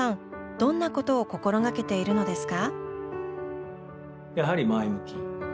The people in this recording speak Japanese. どんなことを心掛けているのですか？